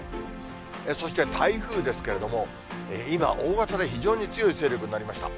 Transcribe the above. そして、台風ですけれども、今、大型で非常に強い勢力になりました。